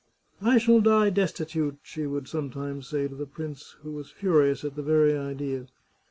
" I shall die destitute," she would sometimes say to the prince, who was furious at the very idea.